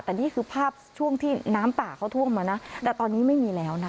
แต่นี่คือภาพช่วงที่น้ำป่าเขาท่วมมานะแต่ตอนนี้ไม่มีแล้วนะ